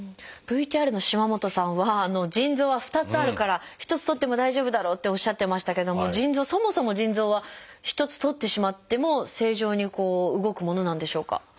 ＶＴＲの島本さんは腎臓は２つあるから１つとっても大丈夫だろうっておっしゃってましたけどもそもそも腎臓は１つとってしまっても正常に動くものなんでしょうか？